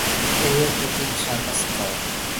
এদের প্রতীক সাদা স্কাল।